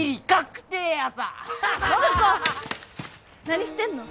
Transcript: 何してんの？